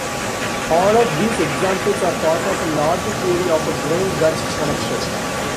All of these examples are part of a larger theory of a brain-gut connection.